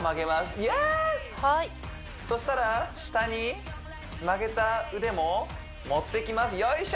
イエースはいそしたら下に曲げた腕も持ってきますよいしょ